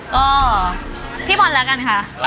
ก็พี่บอลแล้วกันค่ะ